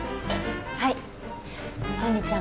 はい杏里ちゃん